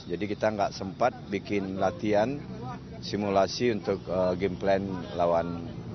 jadi kita tidak sempat bikin latihan simulasi untuk game plan lawan